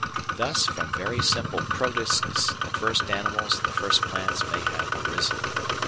Thus from very simple Protists the first animals and the first plants may have arisen.